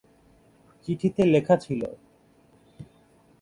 চিঠিতে লেখা ছিলো।